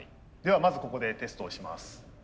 ではまずここでテストをします。